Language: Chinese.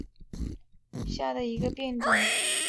紫单花红丝线为茄科红丝线属下的一个变种。